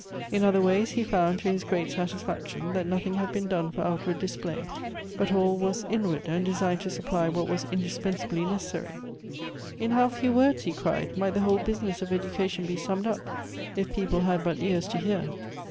In other ways he found, to his great satisfaction, that nothing had been done for outward display ; but all was inward, and designed to supply what was indispensably necessary. "In how few words," he cried, "might the whole business of education be summed up, if people had but ears to hear!"